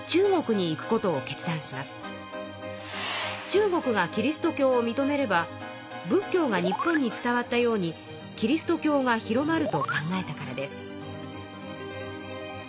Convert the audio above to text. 中国がキリスト教をみとめれば仏教が日本に伝わったようにキリスト教が広まると考えたからです。